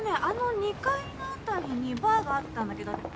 あの２階の辺りにバーがあったんだけど。